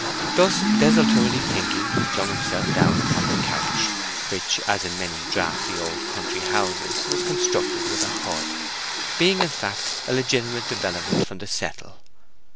Thus desultorily thinking he flung himself down upon the couch, which, as in many draughty old country houses, was constructed with a hood, being in fact a legitimate development from the settle.